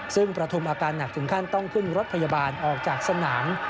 ซึ่งประทุมอาการหนักถึงขั้นต้องขึ้นรถพยาบาลออกจากสนาม